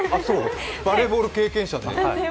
バレーボール経験者で。